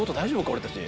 俺たち。